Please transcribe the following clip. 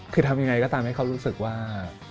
คือทำยังไงก็ตามให้เขารู้สึกว่า